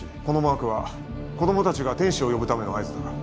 「このマークは子供たちが天使を呼ぶための合図だ」